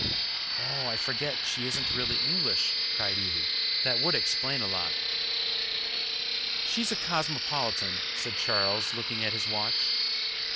" "Oh, I forget she isn't really English," cried Evie. "That would explain a lot." "She's a cosmopolitan," said Charles, looking at his watch.